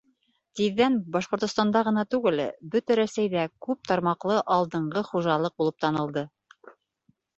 Тиҙҙән Башҡортостанда ғына түгел, бөтә Рәсәйҙә күп тармаҡлы алдынғы хужалыҡ булып танылды.